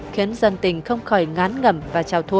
khiến dân tình không khỏi ngán ngẩm và trao thua